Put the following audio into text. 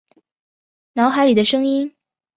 脑海里的声音